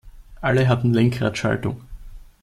Alle hatten Lenkradschaltung.